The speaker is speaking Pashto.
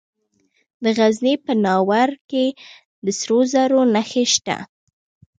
د غزني په ناوور کې د سرو زرو نښې شته.